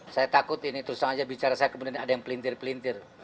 saya takut ini terus sengaja bicara saya kemudian ada yang pelintir pelintir